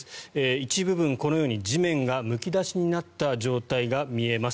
一部分、このように地面がむき出しになった状態が見えます。